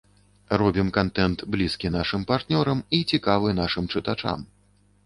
Робім кантэнт, блізкі нашым партнёрам і цікавы нашым чытачам.